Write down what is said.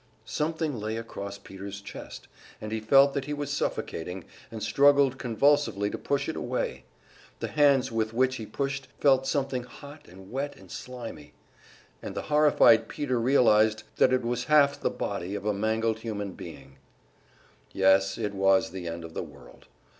Something lay across Peter's chest, and he felt that he was suffocating, and struggled convulsively to push it away; the hands with which he pushed felt something hot and wet and slimy, and the horrified Peter realized that it was half the body of a mangled human being. Yes, it was the end of the world.